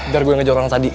biar gue ngejauh orang tadi